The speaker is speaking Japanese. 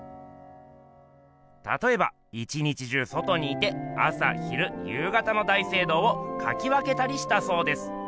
たとえば一日中外にいて朝昼夕方の大聖堂をかき分けたりしたそうです。